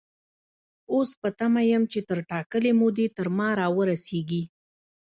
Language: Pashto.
اوس په تمه يم چې تر ټاکلې مودې تر ما را ورسيږي.